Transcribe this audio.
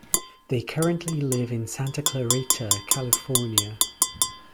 They currently live in Santa Clarita, California.